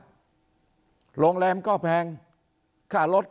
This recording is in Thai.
แต่ว่าค่าครองชีพภูเก็ตมันสูงมาก